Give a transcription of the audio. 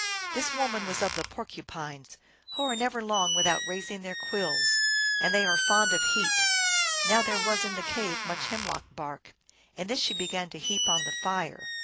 289 This woman was of the Porcupines, who are never long without raising their quills, and they are fond of heat. Now there was in the cave much hemlock bark, and this she began to heap on the fire.